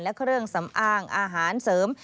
และเครื่องสำอางอาหารเสริม